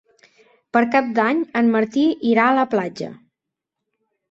Per Cap d'Any en Martí irà a la platja.